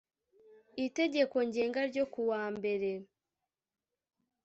Itegeko Ngenga ryo ku wa mbere